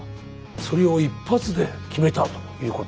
それを一発で決めたということか。